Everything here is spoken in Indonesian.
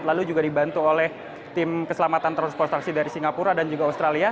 lalu juga dibantu oleh tim keselamatan transportasi dari singapura dan juga australia